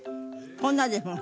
こんなですもん。